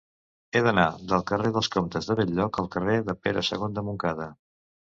He d'anar del carrer dels Comtes de Bell-lloc al carrer de Pere II de Montcada.